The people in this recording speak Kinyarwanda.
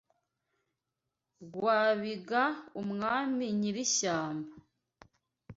rwabwiga umwami nyiri ishyamba